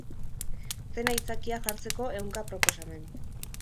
Zein aitzakia jartzeko ehunka proposamen.